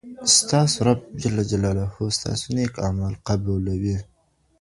ستاسو رب جل جلاله ستاسو نيک اعمال قبولوي.